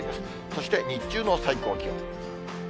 そして日中の最高気温。